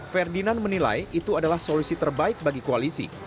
ferdinand menilai itu adalah solusi terbaik bagi koalisi